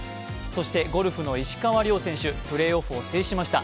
そしてゴルフの石川遼選手プレーオフを制しました。